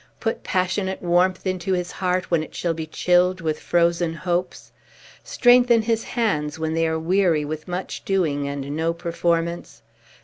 Put passionate warmth into his heart, when it shall be chilled with frozen hopes? Strengthen his hands, when they are weary with much doing and no performance?